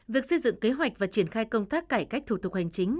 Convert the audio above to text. việc xây dựng kế hoạch và triển khai công tác cải cách thủ tục hành chính